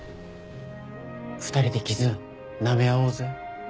２人で傷なめ合おうぜ。